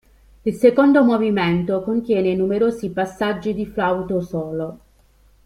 Il secondo movimento contiene numerosi passaggi di flauto solo.